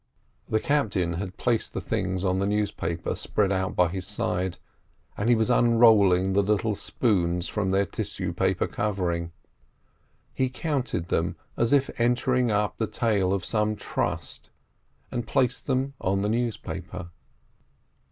The captain had placed the things on the newspaper spread out by his side, and he was unrolling the little spoons from their tissue paper covering. He counted them as if entering up the tale of some trust, and placed them on the newspaper.